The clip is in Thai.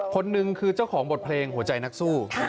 คนหนึ่งคือเจ้าของบทเพลงหัวใจนักสู้